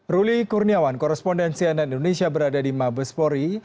ruli kurniawan korrespondensi anan indonesia berada di mabespori